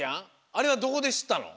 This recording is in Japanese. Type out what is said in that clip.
あれはどこでしったの？